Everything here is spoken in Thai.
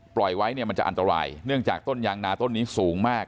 ปล่อยไว้เนี่ยมันจะอันตรายเนื่องจากต้นยางนาต้นนี้สูงมาก